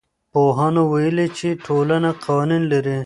پوهانو ويلي چي ټولنه قوانين لري.